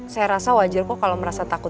saya rasa wajar kok kalau merasa takut